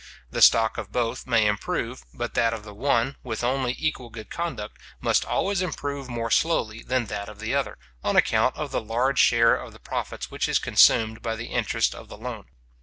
The stock of both may improve; but that of the one, with only equal good conduct, must always improve more slowly than that of the other, on account of the large share of the profits which is consumed by the interest of the loan.